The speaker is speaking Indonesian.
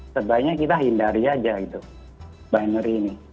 sebaiknya kita hindari aja gitu binary ini